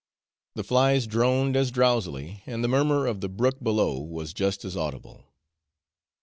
The flies droned as drowsily and the murmur of the brook below was just as audible.